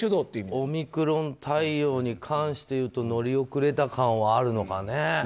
オミクロン対応に関していうと乗り遅れた感はあるのかね。